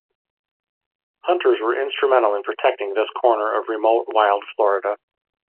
Hunters were instrumental in protecting this corner of remote, wild Florida.